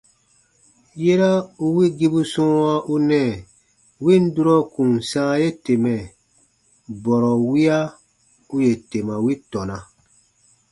Yera u wigibu sɔ̃ɔwa u nɛɛ win durɔ kùn sãa ye temɛ, bɔrɔ wiya u yè tema wi tɔna.